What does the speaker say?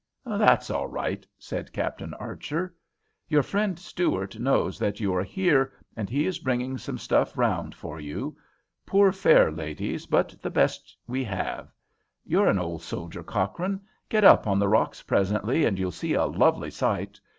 "That's all right," said Captain Archer. "Your friend Stuart knows that you are here, and he is bringing some stuff round for you. Poor fare, ladies, but the best we have! You're an old soldier, Cochrane. Get up on the rocks presently, and you'll see a lovely sight.